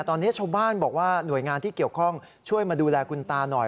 ตอนนี้ชาวบ้านบอกว่าหน่วยงานที่เกี่ยวข้องช่วยมาดูแลคุณตาหน่อย